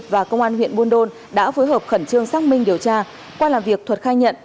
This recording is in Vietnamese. và công an huyện buôn đôn đã phối hợp khẩn trương xác minh điều tra qua làm việc thuật khai nhận